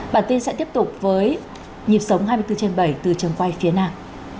bản tin sẽ tiếp tục với nhịp sống hai mươi bốn trên bảy từ trường quay phía nam